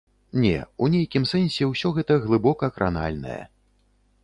Не, у нейкім сэнсе ўсё гэта глыбока кранальнае.